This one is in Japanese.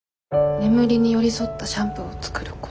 眠りに寄り添ったシャンプーを作ること。